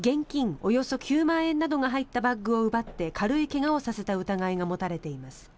およそ９万円などが入ったバッグを奪って軽い怪我をさせた疑いが持たれています。